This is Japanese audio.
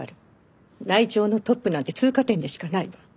内調のトップなんて通過点でしかないわ。